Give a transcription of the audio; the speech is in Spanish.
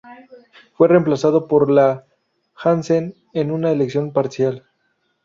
Fue reemplazado por Ian Hansen en una elección parcial.